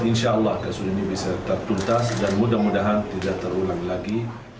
insya allah kasus ini bisa tertuntas dan mudah mudahan tidak terulang lagi